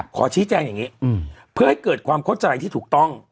ขอชี้แจงอย่างนี้เพื่อให้เกิดความเข้าใจที่ถูกต้อง